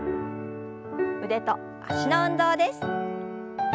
腕と脚の運動です。